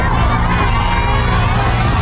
ขอบคุณครับ